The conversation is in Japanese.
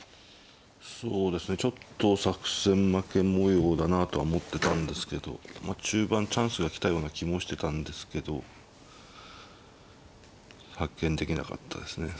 そうですねちょっと作戦負け模様だなとは思ってたんですけど中盤チャンスが来たような気もしてたんですけど発見できなかったですね。